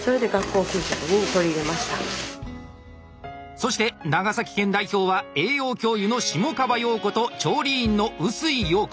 そして長崎県代表は栄養教諭の下川洋子と調理員の臼井洋子。